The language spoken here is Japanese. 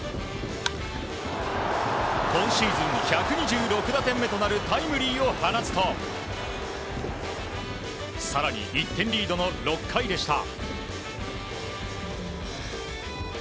今シーズン１２６打点目となるタイムリーを放つと更に１点リードの６回でした。